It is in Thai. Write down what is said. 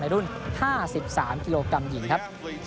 รุ่น๕๓กิโลกรัมหญิงครับ